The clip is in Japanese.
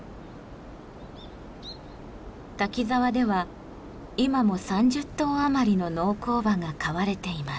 滝沢では今も３０頭余りの農耕馬が飼われています。